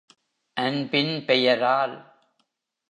அன்பின் பெயரால்.